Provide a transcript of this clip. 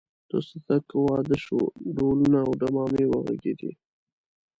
د صدک واده شو ډهلونه او ډمامې وغږېدې.